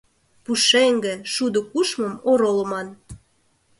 Пушеҥге, шудо кушмым оролыман.